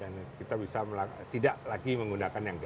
dan kita bisa tidak lagi menggunakan yang gas